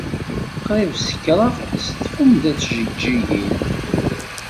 Qrib sekṛeɣ s tfenda n tjeǧǧigin.